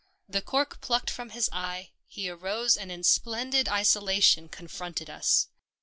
The cork plucked from his eye, he arose and in splendid isola tion confronted us.